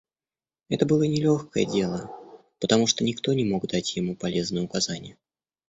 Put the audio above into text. Это было нелегкое дело, потому что никто не мог дать ему полезные указания.